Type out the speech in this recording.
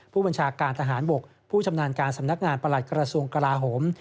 ผู้บัญชาการทหารบกผู้ชำนาญการสำนักงานประหลัดกระทรวงกลาโหม